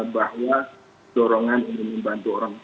bahwa dorongan ingin membantu orang